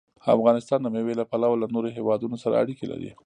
افغانستان د مېوې له پلوه له نورو هېوادونو سره اړیکې لري.